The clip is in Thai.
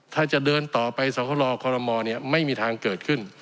ถ้าจะเดินต่อไปสหรอกรมเนี่ยไม่มีทางเกิดขึ้น